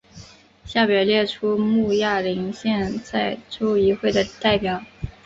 下表列出慕亚林县在州议会的代表。